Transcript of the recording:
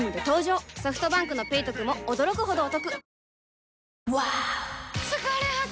ソフトバンクの「ペイトク」も驚くほどおトク